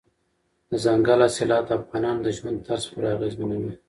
دځنګل حاصلات د افغانانو د ژوند طرز پوره اغېزمنوي.